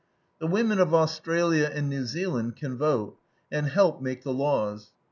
The women of Australia and New Zealand can vote, and help make the laws.